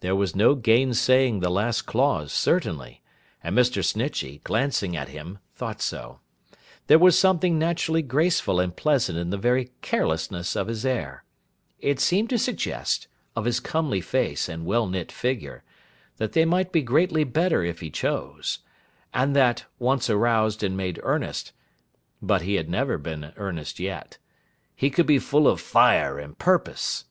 There was no gainsaying the last clause, certainly; and Mr. Snitchey, glancing at him, thought so. There was something naturally graceful and pleasant in the very carelessness of his air. It seemed to suggest, of his comely face and well knit figure, that they might be greatly better if he chose: and that, once roused and made earnest (but he never had been earnest yet), he could be full of fire and purpose.